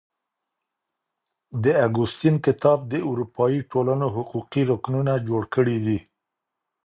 د اګوستين کتاب د اروپايي ټولنو حقوقي رکنونه جوړ کړي دي.